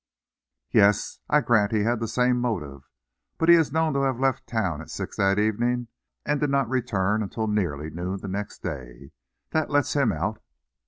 "Yes; I grant he had the same motive. But he is known to have left town at six that evening, and did not return until nearly noon the next day. That lets him out."